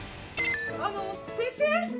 あの先生